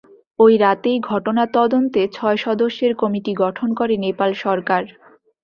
ওই রাতেই ঘটনা তদন্তে ছয় সদস্যের কমিটি গঠন করে নেপাল সরকার।